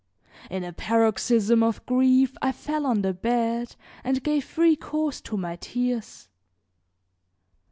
In a paroxysm of grief I fell on the bed and gave free course to my tears.